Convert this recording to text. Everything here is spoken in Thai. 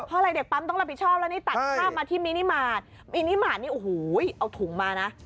เพราะอะไรเด็กปั๊มต้องรับผิดชอบแล้วนี่ตัดภาพมาที่มินิมาตรมินิมาตรนี่โอ้โหเอาถุงมานะ